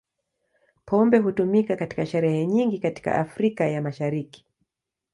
Pombe hutumika katika sherehe nyingi katika Afrika ya Mashariki.